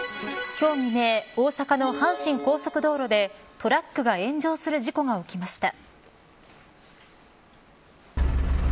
今日未明大阪の阪神高速道路でトラックが炎上する事故が起きました。